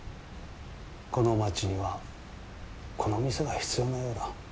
この街にはこの店が必要なようだ。